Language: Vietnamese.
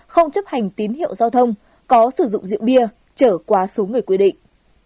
không chấp hành tín hiệu giao thông có sử dụng rượu bia trở quá số người quy định